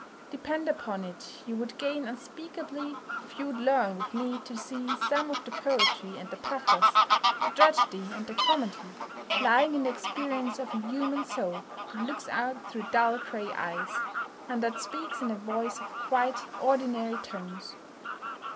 Depend upon it you would gain unspeakably if you would learn with me to see some of the poetry and the pathos, the tragedy and the comedy, lying in the experience of a human soul that looks out through dull gray eyes, and that speaks in a voice of quite ordinary tones."